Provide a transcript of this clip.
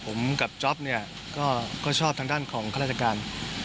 ผมกับจ๊อปเนี่ยก็ชอบทางด้านของข้าราชการ